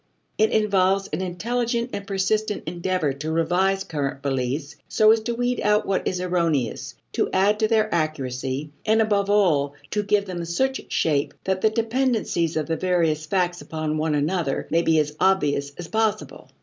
It involves an intelligent and persistent endeavor to revise current beliefs so as to weed out what is erroneous, to add to their accuracy, and, above all, to give them such shape that the dependencies of the various facts upon one another may be as obvious as possible.